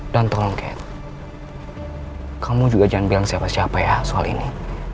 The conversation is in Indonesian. dan tolong kate kamu juga jangan bilang siapa siapa ya soal ini